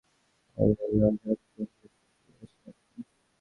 কিন্তু এতক্ষণ কাজের মধ্যে থাকার ফলে অজান্তেই নিজের ক্ষতি করছেন আপনি।